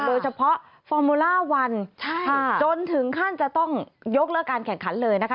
โดยเฉพาะฟอร์โมล่าวันจนถึงขั้นจะต้องยกเลิกการแข่งขันเลยนะคะ